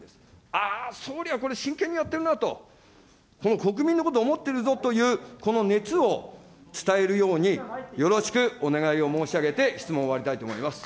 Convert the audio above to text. ああ、そういやこれ、真剣にやってるなと、国民のこと思ってるぞというこの熱を伝えるように、よろしくお願いを申し上げて、質問を終わりたいと思います。